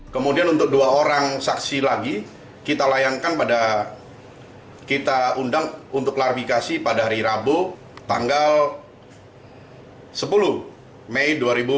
kemudian untuk dua orang saksi lagi kita layankan pada kita undang untuk klarifikasi pada hari rabu tanggal sepuluh mei dua ribu dua puluh